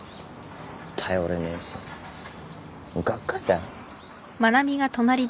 頼れねえしがっかりだよ。